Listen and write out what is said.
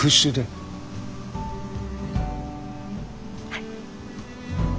はい。